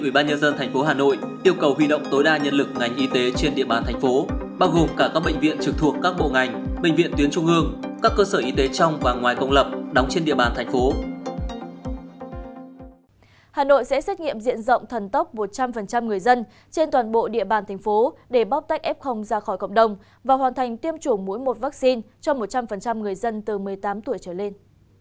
hà nội sẽ xét nghiệm diện rộng thần tốc một trăm linh người dân trên toàn bộ địa bàn thành phố để bóc tách f ra khỏi cộng đồng và hoàn thành tiêm chủng mỗi một vaccine cho một trăm linh người dân từ một mươi tám tuổi trở lên